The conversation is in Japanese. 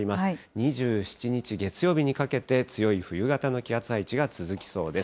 ２７日月曜日にかけて強い冬型の気圧配置が続きそうです。